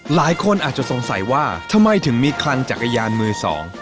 หลายคนอาจจะสงสัยว่าทำไมถึงมีคลังจักรยานมือสอง